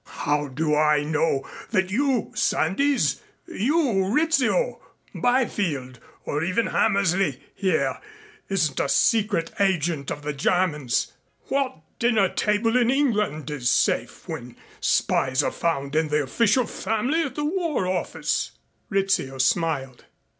How do I know that you, Sandys, you, Rizzio, Byfield or even Hammersley here isn't a secret agent of the Germans? What dinner table in England is safe when spies are found in the official family at the War Office?" Rizzio smiled.